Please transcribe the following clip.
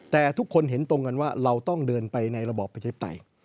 แต่ทุกคนเห็นตรงกันว่าเราต้องเดินไปในระบอบประชาธิปไตย